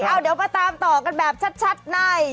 เอาเดี๋ยวมาตามต่อกันแบบชัดใน